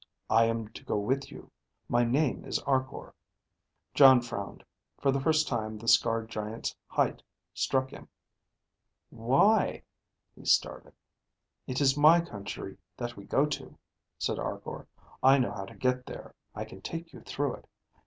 "I am to go with you. My name is Arkor." Jon frowned. For the first time the scarred giant's height struck him. "Why...?" he started. "It is my country that we go to," said Arkor. "I know how to get there. I can take you through it.